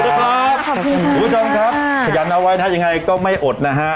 ถูกต้องครับขยันเอาไว้นะยังไงก็ไม่อดนะฮะ